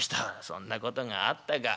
「そんなことがあったか。